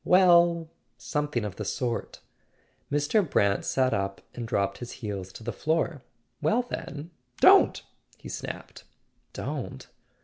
"Well—something of the sort." Mr. Brant sat up and dropped his heels to the floor. "Well, then— don't!" he snapped. "Don't